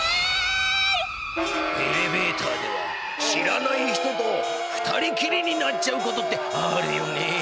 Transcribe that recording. エレベーターでは知らない人と二人きりになっちゃう事ってあるよね？